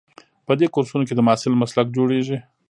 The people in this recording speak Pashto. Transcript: په دې کورسونو کې د محصل مسلک جوړیږي.